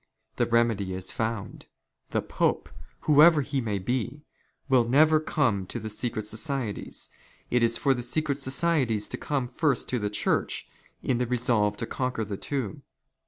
The remedy is found. The Pope, " whoever he may be, will never come to the secret societies. It ^' is for the secret societies to come first to the Church, in the " resolve to conquer the two.